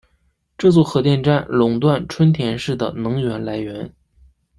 这座核电站垄断春田市的能源来源。